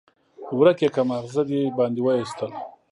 ورک يې کړه؛ ماغزه دې باندې واېستل.